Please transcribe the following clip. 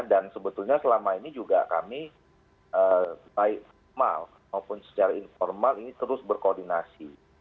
dan sebetulnya selama ini juga kami baik formal maupun secara informal ini terus berkoordinasi